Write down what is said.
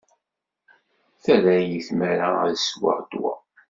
Terra-yi tmara ad sweɣ ddwa.